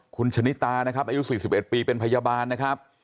คุณชนิตานะครับอายุ๔๑ปีเป็นพยาบาลนะครับ